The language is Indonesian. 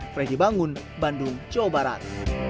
freddy bangun bandung jawa barat